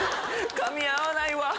かみ合わないわ。